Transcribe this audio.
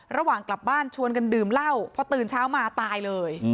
ระหว่างกลับบ้านชวนกันดื่มเหล้าพอตื่นเช้ามาตายเลย